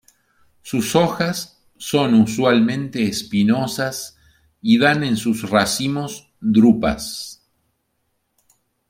Sus hojas son usualmente espinosas y dan en sus racimos: drupas.